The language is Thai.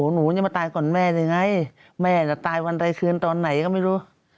หนูอย่ามาตายก่อนแม่แหงไงแม่ตายวันใดเชิญตอนไหนก็ไม่รู้